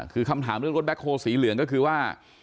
คือคำถามเรื่องรถแบ็คโฮลสีเหลืองก็คือว่า